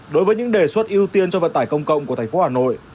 đối với những đề xuất ưu tiên cho vận tải công cộng của tp hà nội